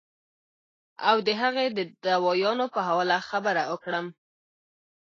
او د هغې د دوايانو پۀ حواله خبره اوکړم